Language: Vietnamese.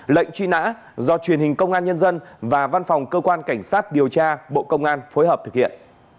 lệnh truy nã do truyền hình công an nhân dân và văn phòng cơ quan cảnh sát điều tra bộ công an phối hợp thực hiện